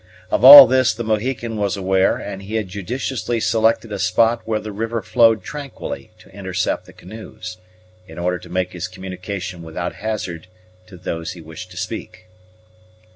Of all this the Mohican was aware, and he had judiciously selected a spot where the river flowed tranquilly to intercept the canoes, in order to make his communication without hazard to those he wished to speak.